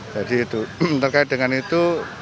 jadi itu terkait dengan itu